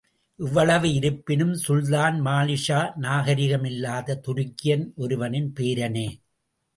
இவ்வளவு இருப்பினும், சுல்தான் மாலிக்ஷா நாகரிக மில்லாத துருக்கியன் ஒருவனின் பேரனே.